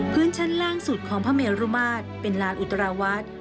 ชั้นล่างสุดของพระเมรุมาตรเป็นลานอุตราวัด